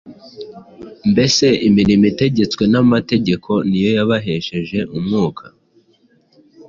Mbese imirimo itegetswe n’amategeko ni yo yabahesheje Umwuka,